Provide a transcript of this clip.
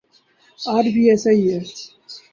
آج بھی ایسا ہی ہے۔